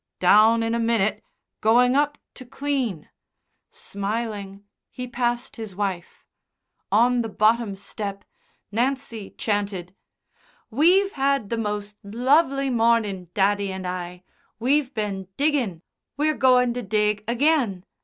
"Down in a minute. Going up to clean." Smiling, he passed his wife. On the bottom step Nancy chanted: "We've had the most lovely mornin', daddy and I. We've been diggin'. We're goin' to dig again.